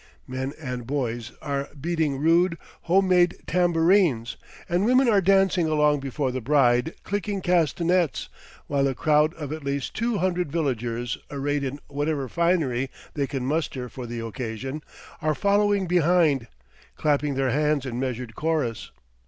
Men and boys are beating rude, home made tambourines, and women are dancing along before the bride, clicking castanets, while a crowd of at least two hundred villagers, arrayed in whatever finery they can muster for the occasion, are following behind, clapping their hands in measured chorus.